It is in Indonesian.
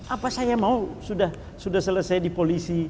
apa saya mau sudah selesai di polisi